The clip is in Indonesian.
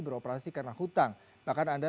beroperasi karena hutang bahkan anda